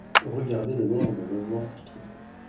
Regardez le nombre de logements construits